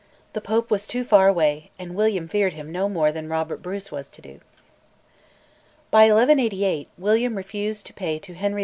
The Pope was too far away, and William feared him no more than Robert Bruce was to do. By 1188, William refused to pay to Henry II.